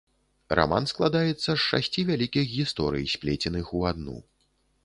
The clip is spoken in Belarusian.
Раман складаецца з шасці вялікіх гісторый, сплеценых у адну.